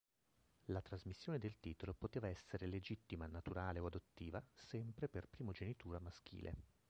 La trasmissione del titolo poteva essere legittima, naturale o adottiva, sempre per primogenitura maschile.